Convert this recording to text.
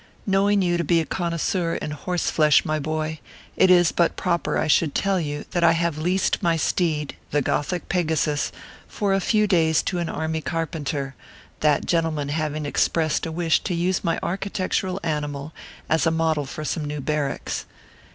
KNOWING you to be a connoisseur in horse flesh, my boy, it is but proper I should tell you that I have leased my steed, the gothic Pegasus, for a few days to an army carpenter, that gentleman having expressed a wish to use my architectural animal as a model for some new barracks.